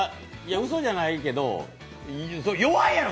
うそじゃないけど弱いやろ！